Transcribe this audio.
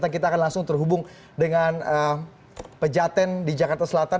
kita akan langsung terhubung dengan pejaten di jakarta selatan